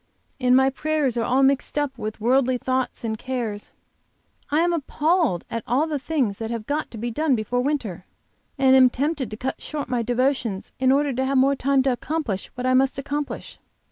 And my prayers are all mixed up with worldly thoughts and cares. I am appalled at all the things that have got to be done before winter, and am tempted to cut short my devotions in order to have more time to accomplish what I must accomplish.